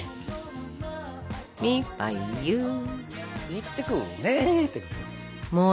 行ってくるねっていう。